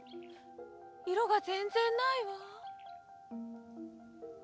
いろがぜんぜんないわ。